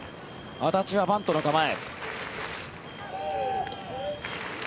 安達はバントの構え。